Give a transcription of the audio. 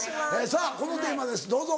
さぁこのテーマですどうぞ。